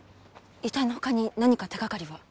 遺体の他に何か手掛かりは？